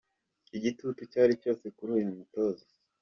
Igitutu cyari cyose kuri uyu mutoza.